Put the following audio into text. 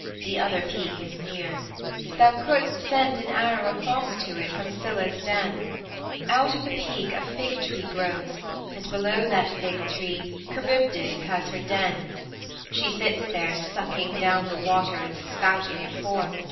"' '"The other peak is near. Thou couldst send an arrow across to it from Scylla's den. Out of the peak a fig tree grows, and below that fig tree Charybdis has her den. She sits there sucking down the water and spouting it forth.